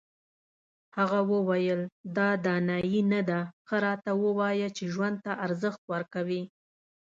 هغه وویل دا دانایي نه ده ښه راته ووایه چې ژوند ته ارزښت ورکوې.